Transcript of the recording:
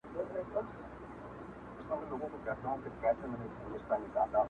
بل څوک خو بې خوښ سوی نه وي_